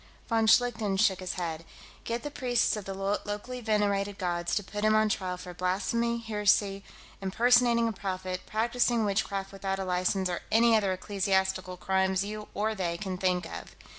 Von Schlichten shook his head. "Get the priests of the locally venerated gods to put him on trial for blasphemy, heresy, impersonating a prophet, practicing witchcraft without a license, or any other ecclesiastical crimes you or they can think of.